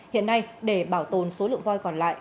hiện nay để bảo tồn số lượng voi còn lại